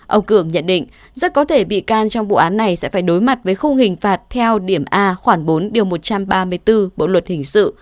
ông cường nhận định rất có thể bị can trong vụ án này sẽ phải đối mặt với khung hình phạt theo điểm a khoảng bốn một trăm ba mươi bốn bộ luật hình sự